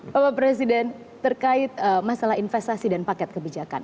bapak presiden terkait masalah investasi dan paket kebijakan